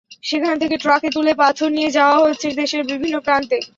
সেখান থেকে ট্রাকে তুলে পাথর নিয়ে যাওয়া হচ্ছে দেশের বিভিন্ন প্রান্তে।